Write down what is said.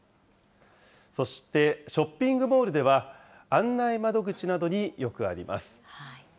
そして、ショッピングモールでは案内窓口などによくあります。